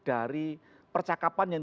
dari percakapan yang